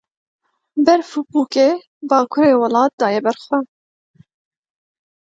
Berf û pûkê bakurê welêt daye ber xwe.